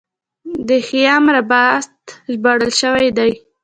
د خیام رباعیات ژباړل شوي دي.